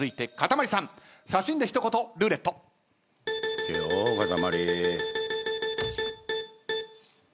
いけよかたまり。